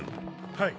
はい。